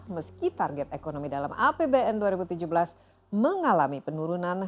meski target ekonomi dalam apbn dua ribu tujuh belas mengalami penurunan